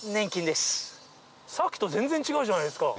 さっきと全然違うじゃないですか。